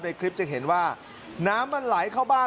ในคลิปจะเห็นว่าน้ำมันไหลเข้าบ้าน